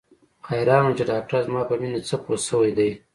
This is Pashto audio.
حيران وم چې ډاکتر زما په مينې څه پوه سوى دى.